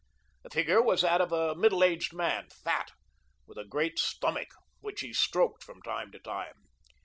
The figure was that of a middle aged man, fat, with a great stomach, which he stroked from time to time.